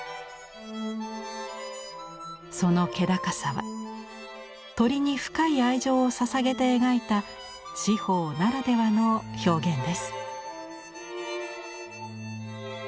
その気高さは鳥に深い愛情をささげて描いた紫峰ならではの表現です。